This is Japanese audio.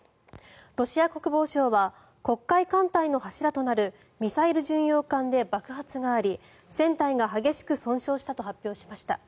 ロシア国防省は黒海艦隊の柱となるミサイル巡洋艦で爆発があり船体が激しく損傷したと発表しました。